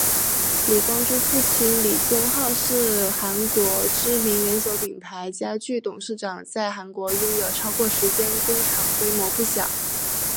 李光洙父亲李宗浩是韩国知名连锁品牌家具董事长在韩国拥有超过十间工厂规模不小。